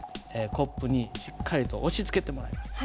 コップにしっかりと押しつけてもらいます。